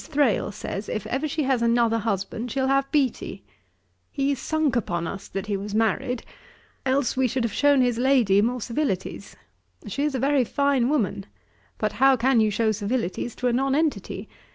Thrale says, if ever she has another husband, she'll have Beattie. He sunk upon us that he was married; else we should have shewn his lady more civilities. She is a very fine woman. But how can you shew civilities to a non entity?